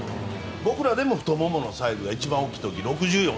僕らでも太もものサイズが一番大きい時は。